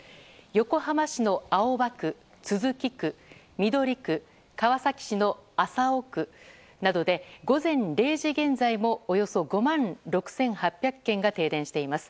横浜市の青葉区、都筑区、緑区川崎市の麻生区などで午前０時現在もおよそ５万６８００軒が停電しています。